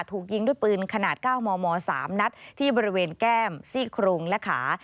ถูกยิงด้วยปืนขนาด๙มม๓นัดที่บริเวณแก้มซี่โครงและขา